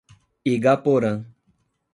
Igaporã